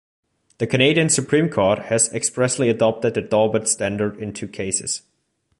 The Canadian Supreme Court has expressly adopted the Daubert standard in two cases.